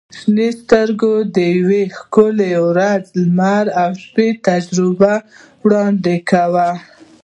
• شنې سترګې د یوې ښکلي ورځنۍ لمر او شپه تجربه وړاندې کوي.